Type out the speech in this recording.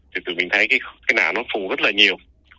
thì tụi mình thấy cái nào nó phù rất là nhiều